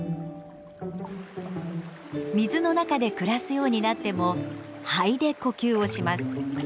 水の中で暮らすようになっても肺で呼吸をします。